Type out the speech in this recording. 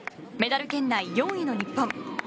メダル圏内、４位の日本。